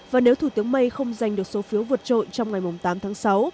và nếu thủ tướng may không giành được số phiếu vượt trội trong ngày tám tháng sáu